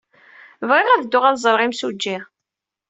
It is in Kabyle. Bɣiɣ ad dduɣ ad ẓreɣ imsujji.